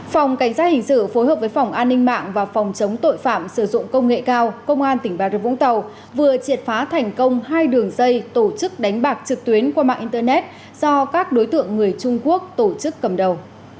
phòng cảnh sát hình sự phối hợp với phòng an ninh mạng và phòng chống tội phạm sử dụng công nghệ cao công an tỉnh bà rập vũng tàu vừa triệt phá thành công hai đường dây tổ chức đánh bạc trực tuyến qua mạng internet do các đối tượng người trung quốc tổ chức cầm đầu